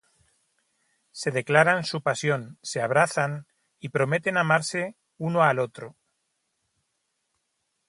Se declaran su pasión, se abrazan y prometen amarse uno al otro.